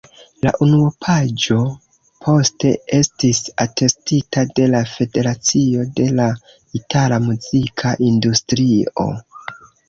La unuopaĵo poste estis atestita de la Federacio de la Itala Muzika Industrio.